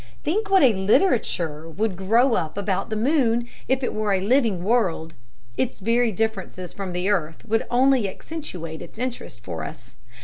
Think what a literature would grow up about the moon if it were a living world! Its very differences from the earth would only accentuate its interest for us.